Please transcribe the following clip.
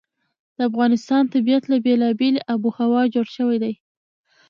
د افغانستان طبیعت له بېلابېلې آب وهوا جوړ شوی دی.